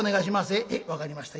「へえ分かりました。